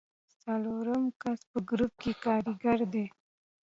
څلورم کس په ګروپ کې کاریګر دی.